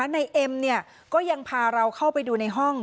ในเอ็มเนี่ยก็ยังพาเราเข้าไปดูในห้อง